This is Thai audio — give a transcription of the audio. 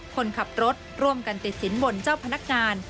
คนขับรถร่วมกันติดสินบนเจ้าพนักงาน